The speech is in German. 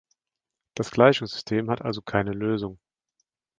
Das Gleichungssystem hat also keine Lösung.